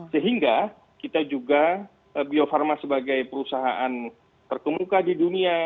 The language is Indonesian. sehingga kita juga bio farma sebagai perusahaan terkemuka di dunia